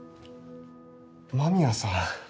麻宮さん！？